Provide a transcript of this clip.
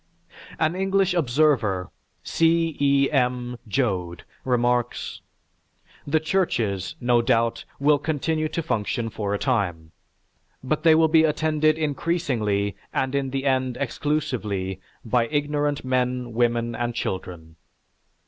An English observer, C. E. M. Joad, remarks: "The churches, no doubt, will continue to function for a time, but they will be attended increasingly, and in the end exclusively, by ignorant men, women, and children.